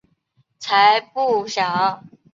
才不小！